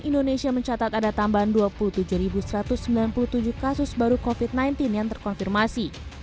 indonesia mencatat ada tambahan dua puluh tujuh satu ratus sembilan puluh tujuh kasus baru covid sembilan belas yang terkonfirmasi